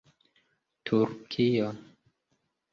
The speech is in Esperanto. turkio